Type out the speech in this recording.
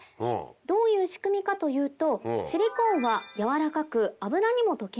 どういう仕組みかというと。